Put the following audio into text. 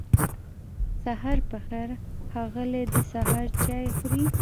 سهار پخير ښاغلی دی سهار چای خوری